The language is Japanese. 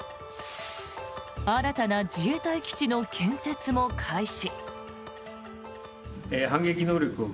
新たな自衛隊基地の建設も開始。